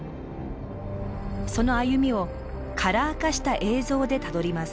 その歩みをカラー化した映像でたどります。